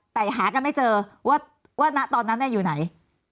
แต่หากันไม่เจอว่าณตอนนั้นอยู่ไหน